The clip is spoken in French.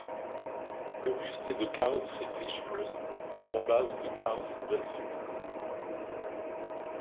Le buste est de Karl Friedrich Moest, la base de Karl Andelfinger.